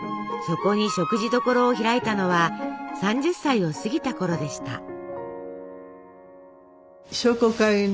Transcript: そこに食事処を開いたのは３０歳を過ぎたころでした。